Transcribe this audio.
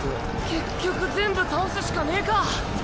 結局全部倒すしかねぇか。